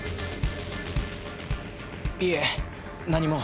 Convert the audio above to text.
いえ何も。